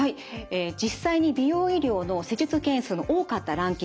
実際に美容医療の施術件数の多かったランキング